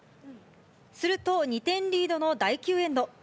すると２点リードの第９エンド。